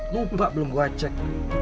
mumpah belum gua cek